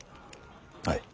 はい。